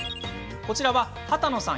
こちらは波多野さん